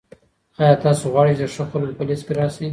آیا تاسو غواړئ چي د ښه خلکو په لیست کي راسئ؟